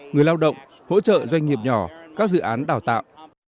người lao động hỗ trợ doanh nghiệp nhỏ các dự án đào tạo